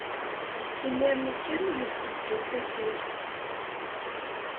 Imir-nni kan, yebded-d usakal.